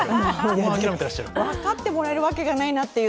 分かってもらえるわけがないなって。